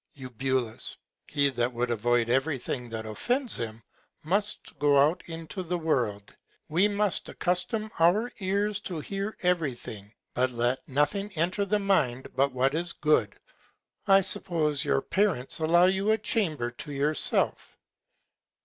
Eu. He that would avoid every Thing that offends him, must go out of the World; we must accustom our Ears to hear every Thing, but let nothing enter the Mind but what is good. I suppose your Parents allow you a Chamber to yourself.